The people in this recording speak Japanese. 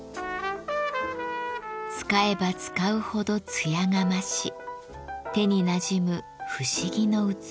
使えば使うほど艶が増し手になじむ不思議の器。